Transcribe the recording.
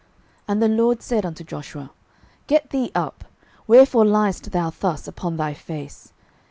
06:007:010 And the LORD said unto Joshua, Get thee up; wherefore liest thou thus upon thy face?